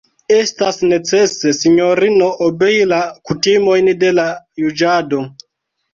Estas necese, sinjorino, obei la kutimojn de la juĝado.